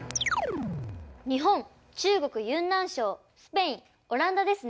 日本中国・ユンナン省スペインオランダですね。